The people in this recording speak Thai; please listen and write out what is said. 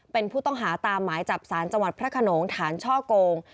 เป็นผู้ต้องหาตามหมายจับสารจังหวัดพระขนงฐานช่อโกง